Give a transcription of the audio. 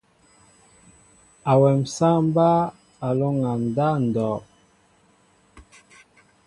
Awem sááŋ mbaa lóŋgá ndáw ndow.